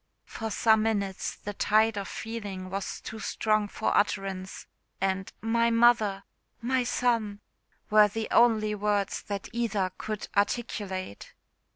For some minutes the tide of feeling was too strong for utterance, and "My mother!" "My son!" were the only words that either could articulate.